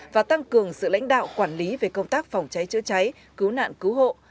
và tăng cường sự lãnh đạo quản lý về công tác phòng cháy chữa cháy cứu nạn cứu hộ